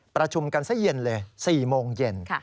ประชุมกันซะเย็นเลย๔โมงเย็น